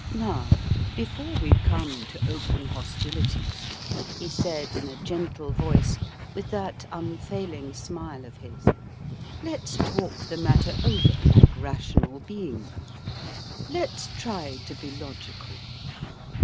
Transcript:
"Now, before we come to open hostilities," he said in a gentle voice, with that unfailing smile of his, "let's talk the matter over like rational beings. Let's try to be logical.